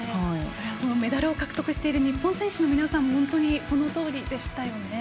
メダルを獲得している日本選手の皆さんもそのとおりでしたよね。